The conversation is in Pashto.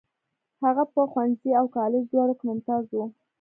هغه په ښوونځي او کالج دواړو کې ممتاز و.